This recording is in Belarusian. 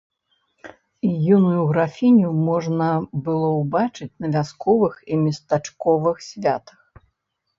Юную графіню можна было ўбачыць на вясковых і местачковых святах.